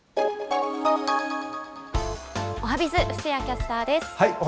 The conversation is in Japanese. おはＢｉｚ、布施谷キャスターです。